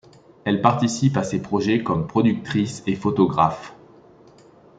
Elle participe à ses projets comme productrice et photographe.